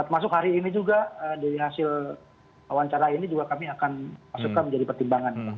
masuk hari ini juga dari hasil wawancara ini juga kami akan masukkan menjadi pertimbangan